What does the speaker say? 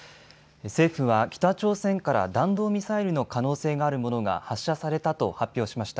政府は北朝鮮から弾道ミサイルの可能性があるものが発射されたと発表しました。